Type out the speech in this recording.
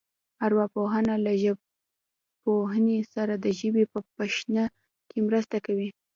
ارواپوهنه له ژبپوهنې سره د ژبې په شننه کې مرسته کوي